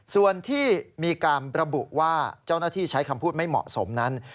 ส่วนที่มีการระบุว่าเจ้าหน้าที่ใช้คำพูดไม่เหมาะสมนั้น